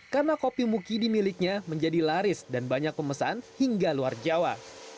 karena kopi mukidi miliknya menjadi laris dan banyak pemesan hingga luar jawa